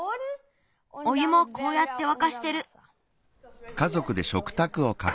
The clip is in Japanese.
おゆもこうやってわかしてる。